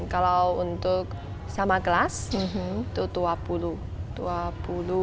kalau untuk sama kelas itu dua puluh